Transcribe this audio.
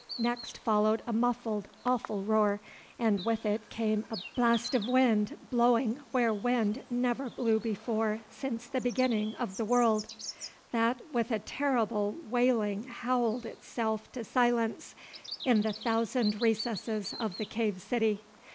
Next followed a muffled, awful roar, and with it came a blast of wind blowing where wind never blew before since the beginning of the world, that with a terrible wailing howled itself to silence in the thousand recesses of the cave city.